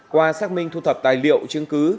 qua xác minh thu thập tài liệu chứng cứ